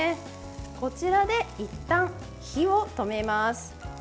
こちらで、いったん火を止めます。